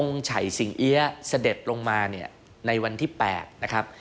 องค์ไฉ่สิ่งเอี๊ยะเสด็จลงมาในวันที่๘นะครับ